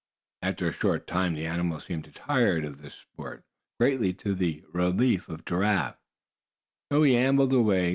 After a short time the animal seemed to tire of this sport. Greatly to the relief of Giraffe he ambled away.